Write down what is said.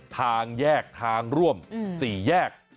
ทางแยกทางร่วม๔แยก